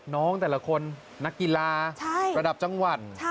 น้องแต่ละคนนักกีฬาระดับจังหวัด